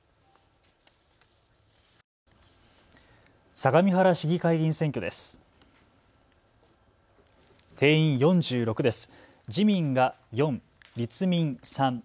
相模原市議会議員選挙です。